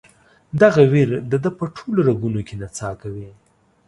دغه ویر د ده په ټولو رګونو کې نڅا کوي.